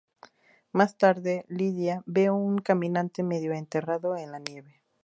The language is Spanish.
Más tarde, Lydia ve a un caminante medio enterrado en la nieve.